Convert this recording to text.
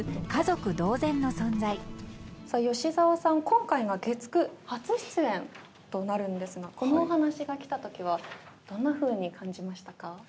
今回が月９初出演となるんですがこのお話がきたときはどんなふうに感じましたか？